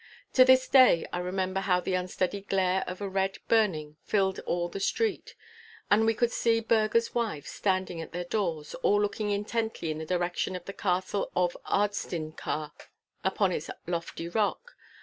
To this day I remember how the unsteady glare of a red burning filled all the street. And we could see burghers' wives standing at their doors, all looking intently in the direction of the Castle of Ardstinchar upon its lofty rock.